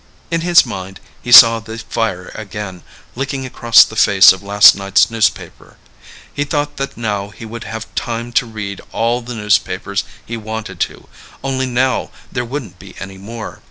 In his mind, he saw the fire again, licking across the face of last night's newspaper. He thought that now he would have time to read all the newspapers he wanted to, only now there wouldn't be any more.